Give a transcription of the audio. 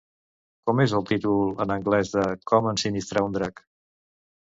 Com és el títol en anglès de Com ensinistrar un drac?